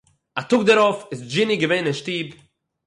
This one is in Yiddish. אַ טאָג דערויף איז דזשיני געווען אין שטוב